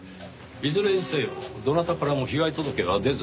いずれにせよどなたからも被害届は出ずですか。